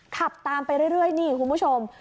ขับตามไปเรื่อยนี่คุณผู้ชม